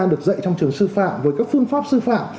được dạy trong trường sư phạm với các phương pháp sư phạm